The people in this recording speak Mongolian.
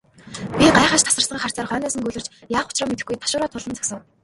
Би гайхаш тасарсан харцаар хойноос нь гөлөрч, яах учраа мэдэхгүй ташуураа тулан босов.